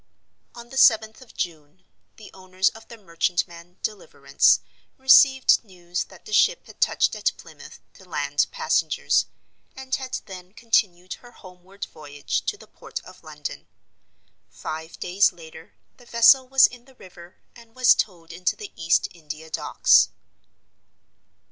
On the seventh of June, the owners of the merchantman Deliverance received news that the ship had touched at Plymouth to land passengers, and had then continued her homeward voyage to the Port of London. Five days later, the vessel was in the river, and was towed into the East India Docks.